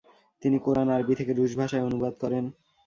তিনি কোরআন আরবি থেকে রুশ ভাষায় অনুবাদ করেন।